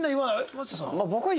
松下さんは？